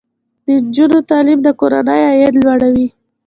د نجونو تعلیم د کورنۍ عاید لوړوي.